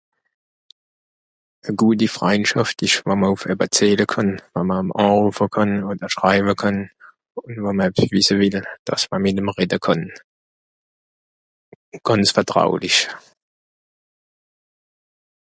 E gùti Freindschàft ìsch wa'mr ùf äbber zähle kànn, wa'mr (...) kànn, odder (...) kànn, we'mr ebbs wìsse wìlle, dàss mr mìt'm redde kànn, gànz vertraulich.